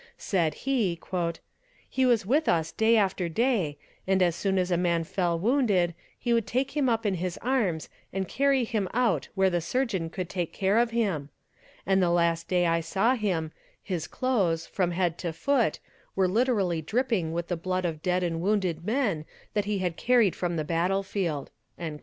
Said he: "He was with us day after day, and as soon as a man fell wounded, he would take him up in his arms and carry him out where the surgeon could take care of him; and the last day I saw him, his clothes, from head to foot, were literally dripping with the blood of dead and wounded men that he had carried from the battle field."